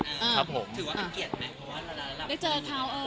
ถือว่าเป็นเกียรติไหม